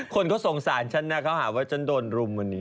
คนก็สงสารฉันนะเขาหาว่าฉันโดนรุมวันนี้